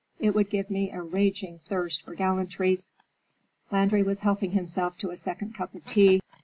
It would give me a raging thirst for gallantries." Landry was helping himself to a second cup of tea.